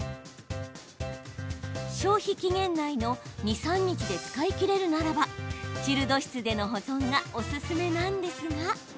消費期限内の２、３日で使い切れるならばチルド室での保存がおすすめなんですが。